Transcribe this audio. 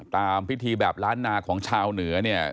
ตามพิธีแบบล้านนาของชาวเหนือเนี่ย